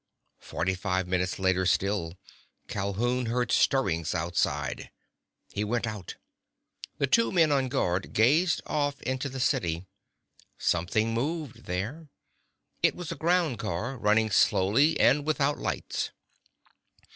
Forty five minutes later still, Calhoun heard stirrings outside. He went out. The two men on guard gazed off into the city. Something moved there. It was a ground car, running slowly and without lights.